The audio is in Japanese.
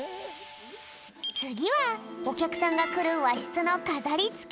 つぎはおきゃくさんがくるわしつのかざりつけ。